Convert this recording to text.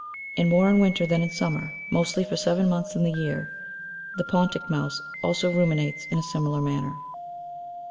and more in winter than in summer, mostly for seven months in the year. The Pontic mouse ^^ also ruminates in a similar manner.